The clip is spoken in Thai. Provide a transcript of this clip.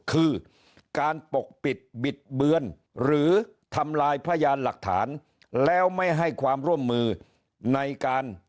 คือการปกปิดบิดเบือนหรือทำลายพยานหลักฐานแล้วไม่ให้ความร่วมมือในการ